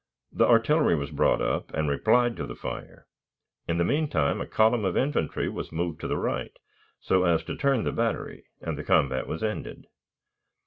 The artillery was brought up, and replied to the fire. In the mean time a column of infantry was moved to the right, so as to turn the battery, and the combat was ended.